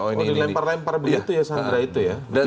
oh ini lempar lempar begitu ya sandera itu ya